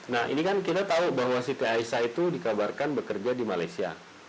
nah ini kan kita tahu bahwa siti aisyah itu dikabarkan bekerja di malaysia